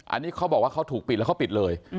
อันนี้เขาบอกว่าเขาถูกปิดแล้วเขาปิดเลย